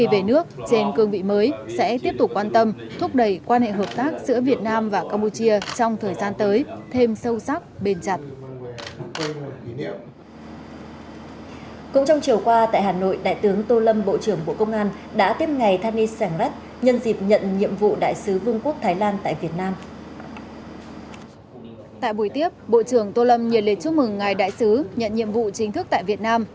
bộ trưởng tô lâm nhiệt lệch chúc mừng ngài đại sứ nhận nhiệm vụ chính thức tại việt nam